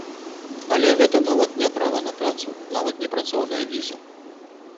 Але гэта нават не права на працу, нават не працоўная віза.